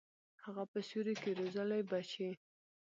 هغه په سیوري کي روزلي بچي